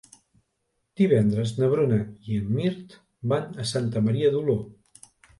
Divendres na Bruna i en Mirt van a Santa Maria d'Oló.